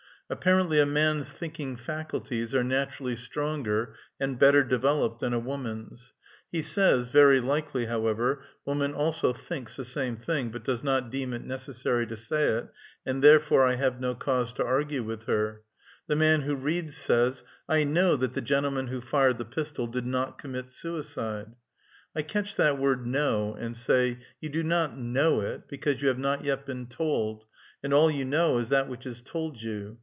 Apparently a man's thinking faculties are naturally stronger and better developed tlian a woman's. He says (very likely, however, woman also thinks the same thing, but does not deem it necessary to say it, and therefore I have no cause to argue with her), the man who reads says, *' I know that the gentleman who fired the pistol did not commit suicide." I catch that word "know," and say, "You do not know it, because you have not yet been told, and all you know is that which is told you.